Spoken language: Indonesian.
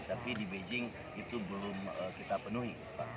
tapi di beijing itu belum kita penuhi